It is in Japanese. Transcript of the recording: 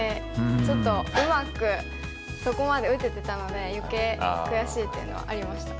ちょっとうまくそこまで打ててたので余計悔しいっていうのはありました。